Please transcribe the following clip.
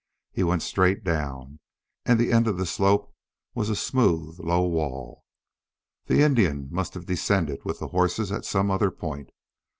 He went straight down, and the end of the slope was a smooth, low wall. The Indian must have descended with the horses at some other point.